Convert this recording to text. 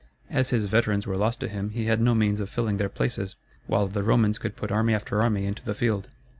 As his veterans were lost to him he had no means of filling their places, while the Romans could put army after army into the field.